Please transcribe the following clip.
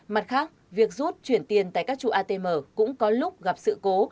mặt khác việc rút chuyển tiền tại các trụ atm cũng có lúc gặp sự cố